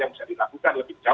yang bisa dilakukan lebih jauh